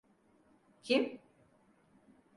Kim?